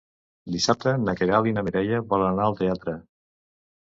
Dissabte na Queralt i na Mireia volen anar al teatre.